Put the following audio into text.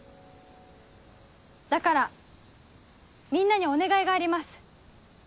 だからみんなにお願いがあります。